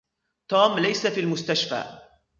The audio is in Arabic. توم ليس في المستشفى.